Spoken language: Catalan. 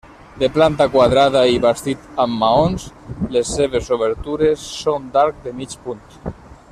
De planta quadrada i bastit amb maons, les seves obertures són d'arc de mig punt.